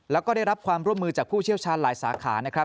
แล้วก็ได้รับความร่วมมือจากผู้เชี่ยวชาญหลายสาขานะครับ